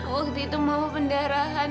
waktu itu mama pendarahan